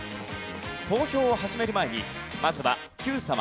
投票を始める前にまずは『Ｑさま！！』